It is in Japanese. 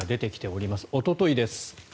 おとといです。